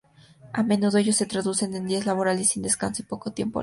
A menudo, ello se traduce en días laborales sin descanso y poco tiempo libre.